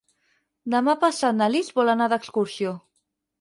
Demà passat na Lis vol anar d'excursió.